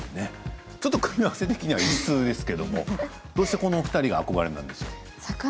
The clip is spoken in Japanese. ちょっと組み合わせ的には異質ですけれど、どうしてこの２人が憧れなんでしょうか。